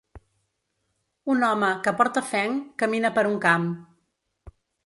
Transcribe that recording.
Un home, que porta fenc, camina per un camp